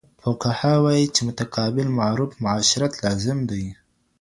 فقهاء وايي، چي متقابل معروف معاشرت لازم دی